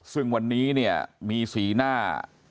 ซึ่งวันนี้เนี่ยมีสีหน้า